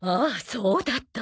そうだった。